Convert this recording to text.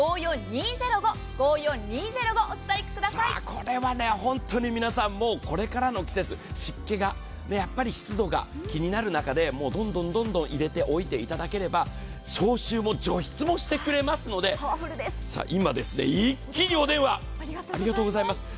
これは本当に皆さん、もうこれからの季節湿気が、やっぱり湿度が気になる中でどんどん入れておいていただければ消臭も除湿もしてくれますので、今一気にお電話、ありがとうございます。